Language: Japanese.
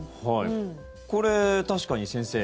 これ、確かに先生